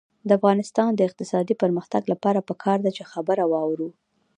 د افغانستان د اقتصادي پرمختګ لپاره پکار ده چې خبره واورو.